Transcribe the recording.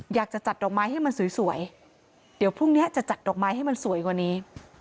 อยากจะจัดดอกไม้ให้มันสวยเดี๋ยวพรุ่งนี้จะจัดดอกไม้ให้มันสวยกว่านี้